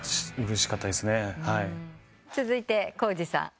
続いて康司さん。